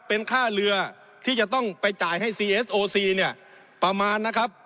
เป็นค่าเรือที่จะต้องไปจ่ายให้ซีเอสโอซีเนี่ยประมาณนะครับ